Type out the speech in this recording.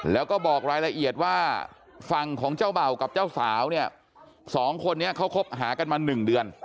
แล้วก็บอกรายละเอียดว่าฝั่งของเจ้าเบ่ากับเจ้าสาวเนี่ยสองคนนี้เขาคบหากันมา๑เดือน